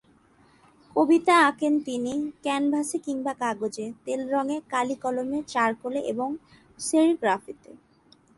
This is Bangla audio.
কবিতা আঁকেন তিনি, ক্যানভাসে, কিংবা কাগজে, তেলরঙে, কালি-কলমে, চারকোলে এবং সেরিগ্রাফিতে।